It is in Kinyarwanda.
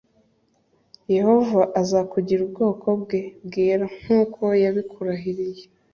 yehova azakugira ubwoko bwe bwera+ nk’uko yabikurahiye.